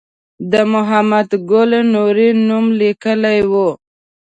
د محمد ګل نوري نوم لیکلی و.